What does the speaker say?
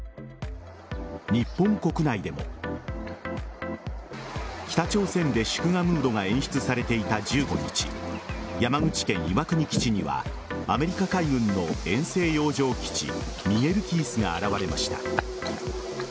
日本国内でも北朝鮮で祝賀ムードが演出されていた１５日山口県岩国基地にはアメリカ海軍の遠征洋上基地「ミゲル・キース」が現れました。